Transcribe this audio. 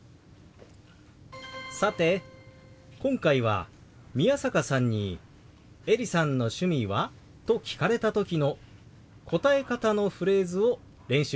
さて今回は宮坂さんに「エリさんの趣味は？」と聞かれた時の答え方のフレーズを練習してきました。